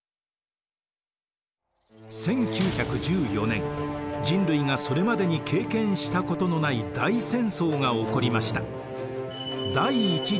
１９１４年人類がそれまでに経験したことのない大戦争が起こりました。